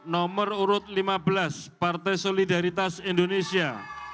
nomor urut lima belas partai solidaritas indonesia